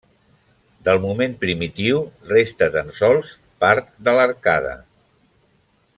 Del moment primitiu resta tan sols part de l'arcada.